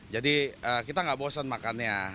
jadi kita nggak bosan makannya